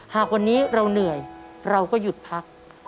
หากวันนี้เราเหนื่อยเราก็หยุดพัก